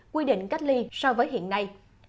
quy định cách ly so với hiện nay